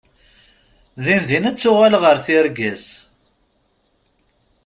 Din din ad tuɣal ɣer tirga-s.